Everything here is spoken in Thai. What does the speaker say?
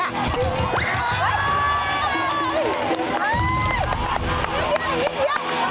สุดท้ายพี่